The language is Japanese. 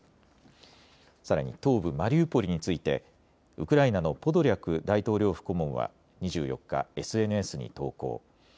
さらに東部マリウポリについてウクライナのポドリャク大統領府顧問は２４日、ＳＮＳに投稿。